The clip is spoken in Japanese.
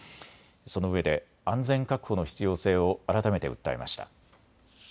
そのうえで安全確保の必要性を改めて訴えました。